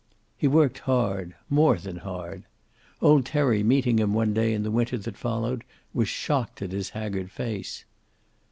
He worked hard; more than hard. Old Terry, meeting him one day in the winter that followed, was shocked at his haggard face.